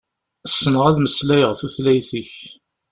Ssneɣ ad meslayeɣ tutlayt-ik.